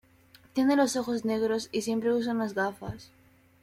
Tiene los ojos negros y siempre usa unas gafas.